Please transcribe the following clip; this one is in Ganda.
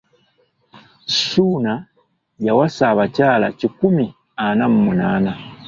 Ssuuna yawasa abakyala kikumi ana mu munaana.